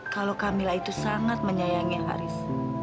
kalau kamila itu sangat menyayangi haris